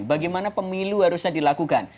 bagaimana pemilu harusnya dilakukan